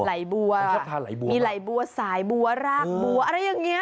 ไหลบัวชอบทานไหลบัวมีไหล่บัวสายบัวรากบัวอะไรอย่างเงี้